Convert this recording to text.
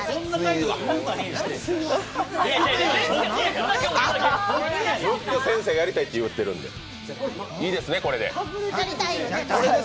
ムック先生がやりたいって言ってるんで、いいですね、これで？